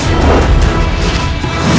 tinggal hanya dua hari